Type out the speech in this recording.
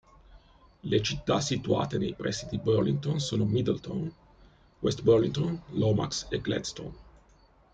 Le città situate nei pressi di Burlington sono: Middletown, West Burlington, Lomax, e Gladstone.